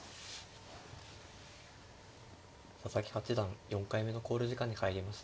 佐々木八段４回目の考慮時間に入りました。